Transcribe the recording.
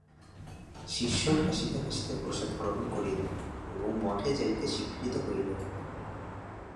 শিষ্য হাসিতে হাসিতে প্রসাদ গ্রহণ করিল এবং মঠে যাইতে স্বীকৃত হইল।